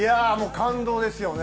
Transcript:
感動ですよね。